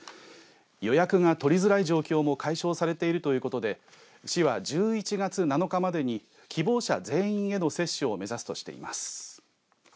予約が取りづらい状況も解消されているということで市は１１月７日までに希望者全員への接種を目指すとしています。